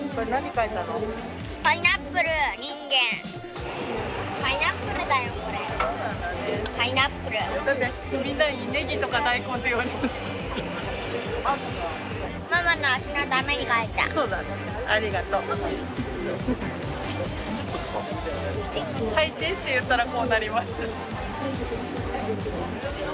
描いてって言ったらこうなりました。